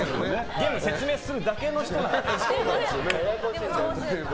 ゲーム説明するだけの人なんです。